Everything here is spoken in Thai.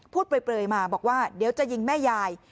เปลยมาบอกว่าเดี๋ยวจะยิงแม่ยาย